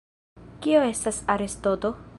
Kio estas arestoto?